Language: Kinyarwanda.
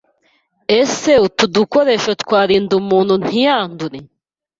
Ese utu dukoresho twarinda umuntu ntiyandure